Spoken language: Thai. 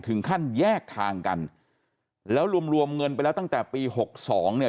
ถึงขั้นแยกทางกันแล้วรวมรวมเงินไปแล้วตั้งแต่ปีหกสองเนี่ย